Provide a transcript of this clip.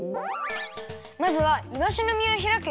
まずはいわしのみをひらくよ。